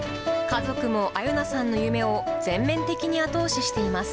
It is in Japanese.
家族も愛結菜さんの夢を全面的に後押ししています。